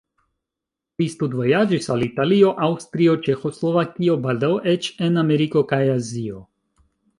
Li studvojaĝis al Italio, Aŭstrio, Ĉeĥoslovakio, baldaŭ eĉ en Ameriko kaj Azio.